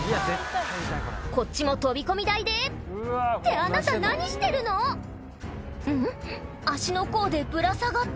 こっちも飛び込み台でってあなた何してるの⁉んっ？